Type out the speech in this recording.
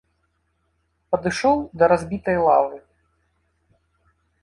Падышоў да разбітай лавы.